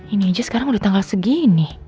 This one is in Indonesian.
ini aja sekarang udah tanggal segini